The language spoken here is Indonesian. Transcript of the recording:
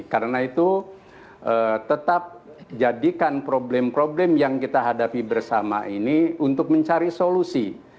karena itu tetap jadikan problem problem yang kita hadapi bersama ini untuk mencari solusi